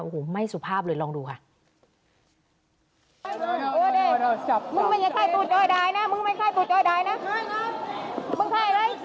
โอ้โหไม่สุภาพเลยลองดูค่ะ